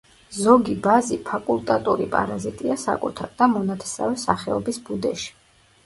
ზოგი ბაზი ფაკულტატური პარაზიტია საკუთარ და მონათესავე სახეობის ბუდეში.